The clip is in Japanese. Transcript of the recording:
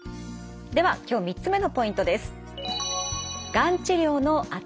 では今日３つ目のポイントです。